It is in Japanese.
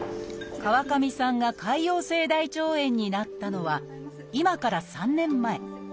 川上さんが潰瘍性大腸炎になったのは今から３年前。